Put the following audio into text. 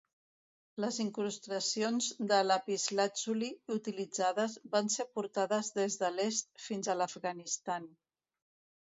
Les incrustacions de lapislàtzuli utilitzades van ser portades des de l'est fins a l'Afganistan.